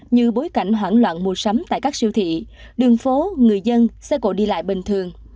như bối cảnh hoảng loạn mua sắm tại các siêu thị đường phố người dân xe cộ đi lại bình thường